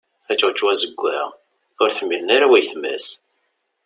Ačewčew azewwaɣ ur t-ḥmmilen ara wayetma-s.